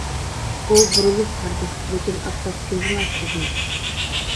ئۇ بۇرۇلۇپ قارىدى، لېكىن ئاپتاپ كۆزىنى ئاچقۇزمىدى.